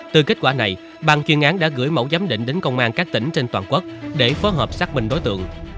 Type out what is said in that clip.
từ kết quả này bàn chuyên án đã gửi mẫu giám định đến công an các tỉnh trên toàn quốc để phối hợp xác minh đối tượng